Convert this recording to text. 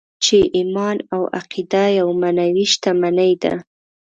چې ايمان او عقیده يوه معنوي شتمني ده.